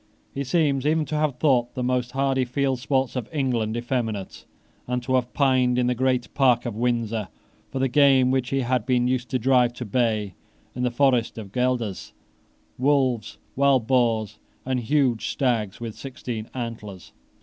He seems even to have thought the most hardy field sports of England effeminate, and to have pined in the Great Park of Windsor for the game which he had been used to drive to bay in the forests of Guelders, wolves, and wild boars, and huge stags with sixteen antlers.